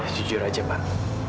jujur aja pak